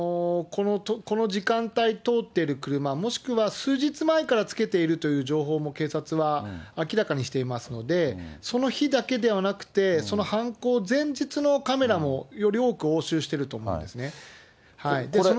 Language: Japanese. この時間帯通ってる車、もしくは数日前からつけているという情報も警察は明らかにしていますので、その日だけではなくて、その犯行前日のカメラもより多く押収してると思うんですね。